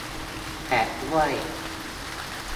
แท็กด้วย